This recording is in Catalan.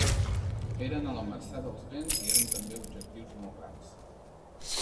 Eren a la mercè dels vents i eren també objectius molt grans.